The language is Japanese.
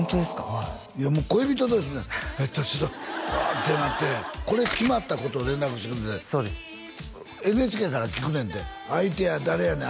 はいいや恋人同士ああってなってこれ決まったこと連絡してくれてそうですＮＨＫから聞くねんて「相手は誰やねん？